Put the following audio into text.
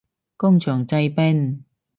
工場製冰